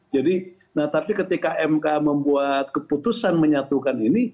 jadi nah tapi ketika mk membuat keputusan menyatukan ini